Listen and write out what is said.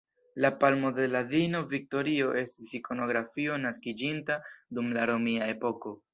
La palmo de la diino Viktorio estis ikonografio naskiĝinta dum la romia epoko.